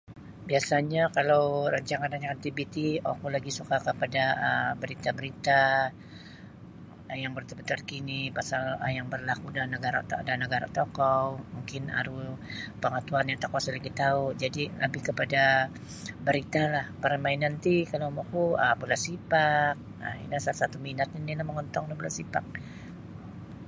Biasanyo kalau rancangan-rancangan tv ti oku lebih suka kepada berita-berita yang berita-berita terkini yang berlaku da nagara tokou mungkin aru pengatahuan yang tokou sa lagi tau jadi lebih kepada beritalah permainan ti oku bola sepak ino sesuatu oku minat nini mongontong da bola sepak.